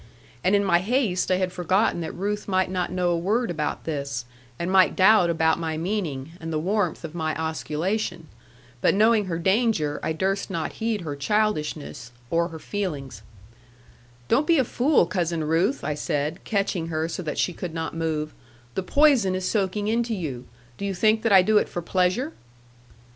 And in my haste I had forgotten that Ruth might not know a word about this, and might doubt about my meaning, and the warmth of my osculation. But knowing her danger, I durst not heed her childishness, or her feelings. * A maid with an elbow sharp, or knee, Hath cross words two, out of every three. 'Don't be a fool, Cousin Ruth,' I said, catching her so that she could not move; 'the poison is soaking into you. Do you think that I do it for pleasure?'